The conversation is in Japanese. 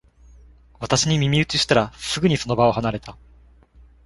私に耳打ちしたら、すぐにその場を離れた